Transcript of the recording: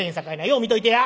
う見といてや！